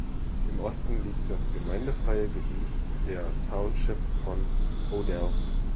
Im Osten liegt das gemeindefreie Gebiet der Township von Odell.